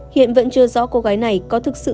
hiện vẫn chưa rõ cô gái này có thực sự